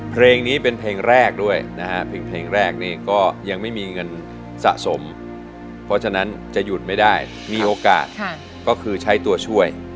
เพลงนี้เป็นเพลงแรกด้วยนะฮะเพลงแรกนี่ก็ยังไม่มีเงินสะสมเพราะฉะนั้นจะหยุดไม่ได้มีโอกาสก็คือใช้ตัวช่วย